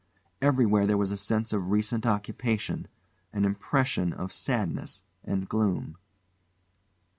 Everywhere there was a sense of recent occupation, an impression of sadness and gloom.